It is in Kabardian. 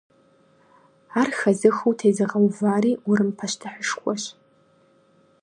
Ар хэзыхыу тезыгъэувари Урым пащтыхьышхуэрщ.